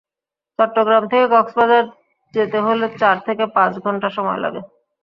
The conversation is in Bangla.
চট্টগ্রাম থেকে কক্সবাজার যেতে হলে চার থেকে পাঁচ ঘণ্টা সময় লাগে।